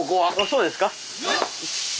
そうですか。